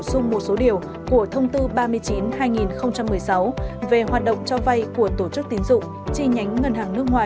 sung một số điều của thông tư ba mươi chín hai nghìn một mươi sáu về hoạt động cho vay của tổ chức tín dụng chi nhánh ngân hàng nước ngoài